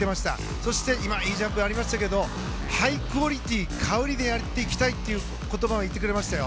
そして今、いいジャンプがありましたがハイクオリティー花織でやっていきたいという言葉も言ってくれていましたよ。